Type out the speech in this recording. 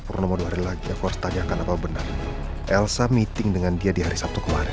purnomo dua hari lagi aku harus tanyakan apa benar elsa meeting dengan dia di hari sabtu kemarin